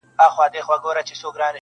د اخلاقو له لیدلوري نه ګوري